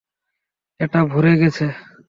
এটা ভরে গেছে।